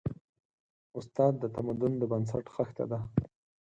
استاد د تمدن د بنسټ خښته ده.